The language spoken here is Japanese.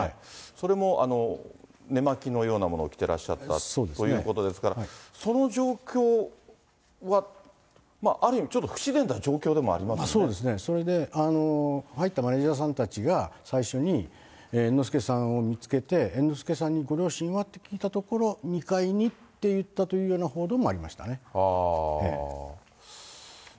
それも寝巻きのようなものを着てらっしゃったということですから、その状況は、ある意味、ちょっと不自然な状況でもありますそうですね、それで入ったマネージャーさんたちが最初に猿之助さんを見つけて、猿之助さんに、ご両親はって聞いたところ、２階にっていったような報道もありましたね。